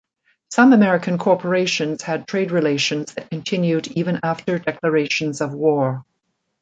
Some American corporations had trade relations that continued even after declarations of war.